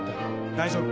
大丈夫